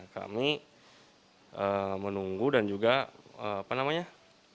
kami menunggu dan juga menyambut baik ketika memang itu sudah ada dan berlaku